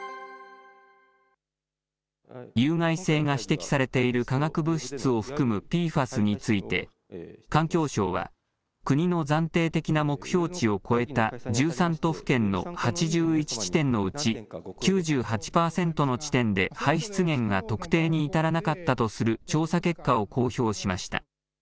有害性が指摘されている化学物質を含むＰＦＡＳについて、環境省は、国の暫定的な目標値を超えた１３都府県の８１地点のうち、９８％の地点で排出源が特定に至らなかったとする調査結果を公表しました。